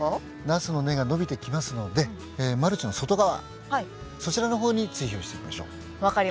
ナスの根が伸びてきますのでマルチの外側そちらの方に追肥をしていきましょう。